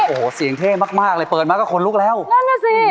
โอ้โหเสียงเท่มากมากเลยเปิดมาก็คนลุกแล้วนั่นน่ะสิ